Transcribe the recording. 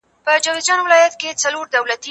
مينه وښيه!؟